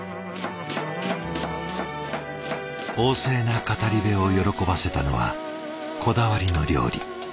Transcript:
旺盛な語り部を喜ばせたのはこだわりの料理。